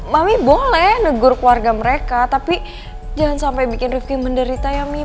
mami boleh negur keluarga mereka tapi jangan sampai bikin rifki menderita ya mie